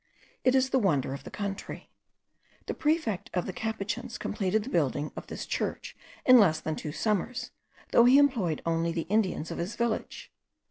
It is the wonder of the country. The prefect of the Capuchins completed the building of this church in less than two summers, though he employed only the Indians of his village.